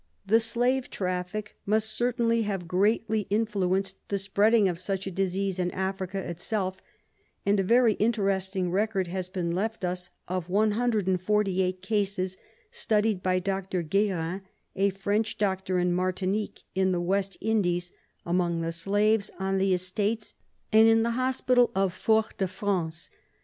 The slave traffic must certainly have greatly influenced the spreading of such a disease in Africa itself, and a very interesting record has been left us of 148 cases, studied by Dr. Guerin, a French doctor in Martinique, in the West Indies, among the slaves on the estates and in the hospital of Fort de France.